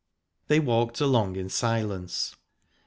They walked along in silence.